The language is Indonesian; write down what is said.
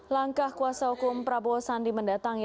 langkah kuasa hukum prabowo sandi mendatangi